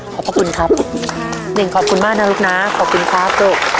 พระคุณครับหนึ่งขอบคุณมากนะลูกนะขอบคุณครับลูก